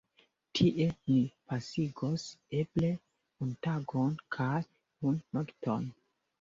Tie ni pasigos eble unu tagon kaj unu nokton.